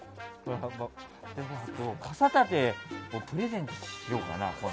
傘立てをプレゼントしようかな。